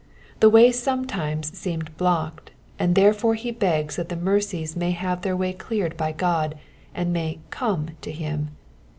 The way sometimes seemed blocked, and therefore he begs that the mercies may have their way cleared by God, and may *' come" to him.